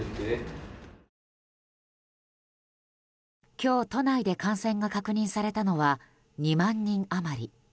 今日、都内で感染が確認されたのは２万人余り。